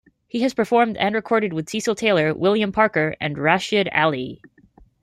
He has performed and recorded with Cecil Taylor, William Parker, and Rashied Ali.